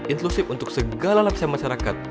inklusif untuk segala laksa masyarakat